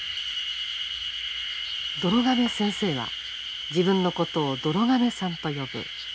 どろ亀先生は自分のことを「どろ亀さん」と呼ぶ。